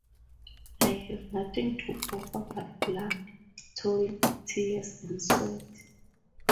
I have nothing to offer but blood, toil, tears and sweat.